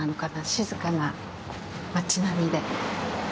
静かな町並みで。